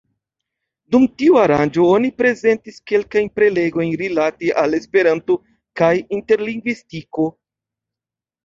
Dum tiu aranĝo oni prezentis kelkajn prelegojn rilate al Esperanto kaj interlingvistiko.